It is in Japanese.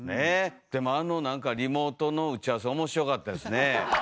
でもあの何かリモートの打ち合わせ面白かったですねえ。